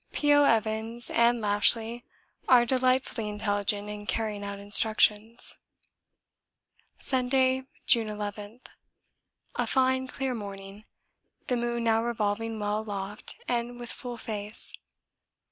P.O. Evans and Lashly are delightfully intelligent in carrying out instructions. Sunday, June 11. A fine clear morning, the moon now revolving well aloft and with full face.